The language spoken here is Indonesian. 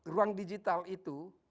ruang digital itu